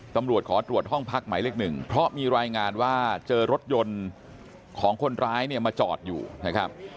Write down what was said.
ตำรวจขอตรวจห้องพักหมายเลขหนึ่งเพราะมีรายงานว่าเจอรถยนต์ของคนร้ายเนี่ยมาจอดอยู่นะครับ